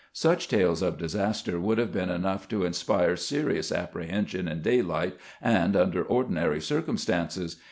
Such tales of disaster would have been enough to inspire serious apprehension in daylight and under ordinary circumstances.